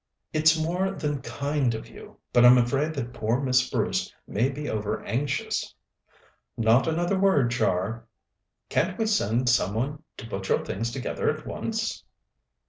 "It's more than kind of you, but I'm afraid that poor Miss Bruce may be over anxious " "Not another word, Char. Can't we send some one to put your things together at once?"